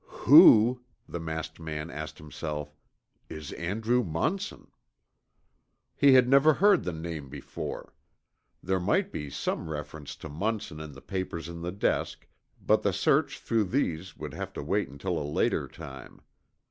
"Who," the masked man asked himself, "is Andrew Munson?" He had never heard the name before. There might be some reference to Munson in the papers in the desk, but the search through these would have to wait until a later time.